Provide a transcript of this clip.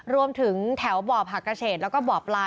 รวมถึงแถวบ่อผักกระเศษแล้วก็บ่อปลา